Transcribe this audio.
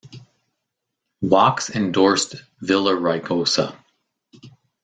Wachs endorsed Villaraigosa.